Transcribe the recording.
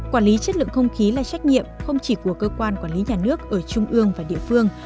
quản lý chất lượng không khí là trách nhiệm không chỉ của cơ quan quản lý nhà nước ở trung ương và địa phương